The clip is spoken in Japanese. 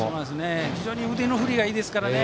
非常に腕の振りがいいですからね。